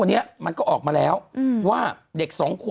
คุณหนุ่มกัญชัยได้เล่าใหญ่ใจความไปสักส่วนใหญ่แล้ว